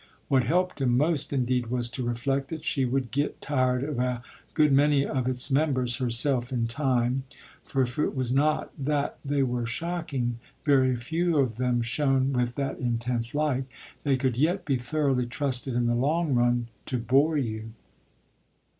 What helped him most indeed was to reflect that she would get tired of a good many of its members herself in time; for if it was not that they were shocking very few of them shone with that intense light they could yet be thoroughly trusted in the long run to bore you.